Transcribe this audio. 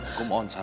ajak bu jahat